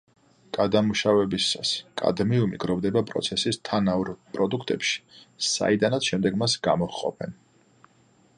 გადამუშავებისას კადმიუმი გროვდება პროცესის თანაურ პროდუქტებში, საიდანაც შემდეგ მას გამოჰყოფენ.